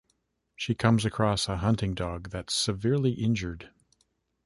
She comes across a hunting dog that's severely injured.